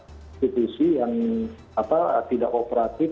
institusi yang tidak operatif